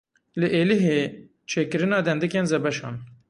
Li Êlihê çêkirina dendikên zebeşan.